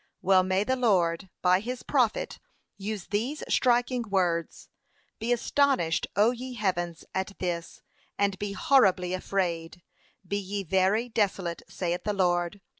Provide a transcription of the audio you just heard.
Well may the Lord, by his prophet, use these striking words, 'Be astonished, O ye heavens, at this, and be horribly afraid, be ye very desolate, saith the Lord.